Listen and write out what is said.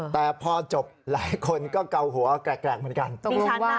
แต่พอจบหลายคนก็เกาหัวแกล้งแกล้งเหมือนกันต้องพูดว่า